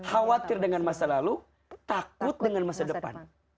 khawatir dengan masa lalu takut dengan masa depan